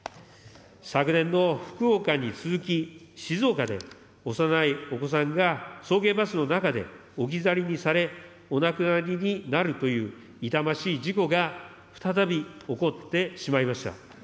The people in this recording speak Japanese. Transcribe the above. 昨年の福岡に続き、静岡で、幼いお子さんが送迎バスの中で置き去りにされ、お亡くなりになるという、痛ましい事故が再び起こってしまいました。